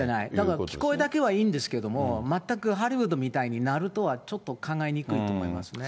聞こえだけはいいんですけれども、全くハリウッドみたいになるとはちょっと考えにくいと思いますね。